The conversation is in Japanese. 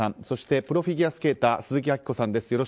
そしてプロフィギュアスケーター鈴木明子さんです。